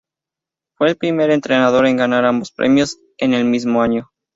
Fue el primer entrenador en ganar ambos premios en el mismo año.